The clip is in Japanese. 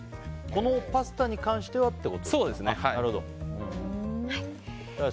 このパスタに関してはってことですか。